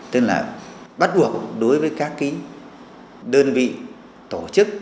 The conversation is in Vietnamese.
tức là bắt buộc đối với các cái đơn vị tổ chức